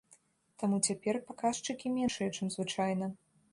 Таму цяпер паказчыкі меншыя, чым звычайна.